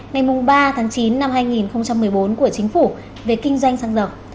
ngay mùng ba tháng chín năm hai nghìn một mươi bốn của chính phủ về kinh doanh xăng dầu